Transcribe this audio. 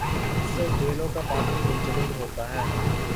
اکثر جھیلوں کا پانی منجمد ہوتا ہے